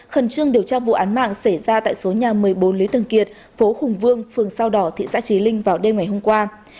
khẩn trương điều tra vụ án mạng xảy ra tại số nhà một mươi bốn lý tường kiệt phố hùng vương phường sao đỏ thị xã trí linh vào đêm ngày hôm qua